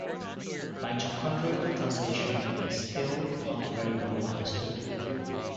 Mitochondrial translation is still not very well understood.